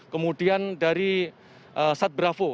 kemudian dari satbravo